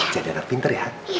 jadi anak pinter ya